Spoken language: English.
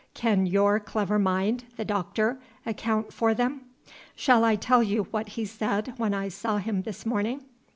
Can your clever friend, the doctor, account for them?" "Shall I tell you what he said when I saw him this morning?"